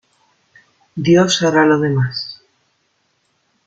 Dios hará lo demás.